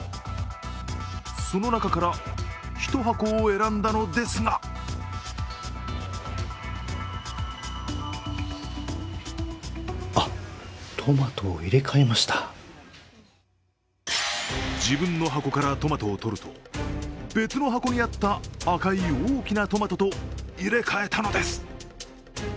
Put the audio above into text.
その中から１箱を選んだのですが自分の箱からトマトを取ると、別の箱にあった赤い大きなトマトと入れ替えたのです。